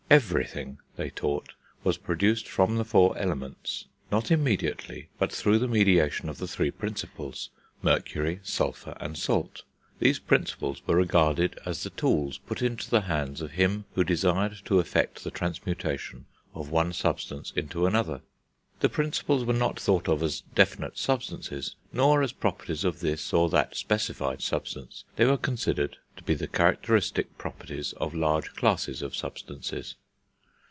Everything, they taught, was produced from the four Elements, not immediately, but through the mediation of the three Principles mercury, sulphur, and salt. These Principles were regarded as the tools put into the hands of him who desired to effect the transmutation of one substance into another. The Principles were not thought of as definite substances, nor as properties of this or that specified substance; they were considered to be the characteristic properties of large classes of substances.